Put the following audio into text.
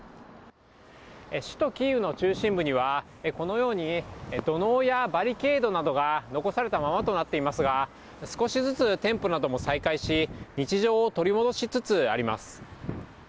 首都キーウの中心部には、このように土のうやバリケードなどが残されたままとなっていますが、少しずつ店舗なども再開し、日常を取り戻しつつあります。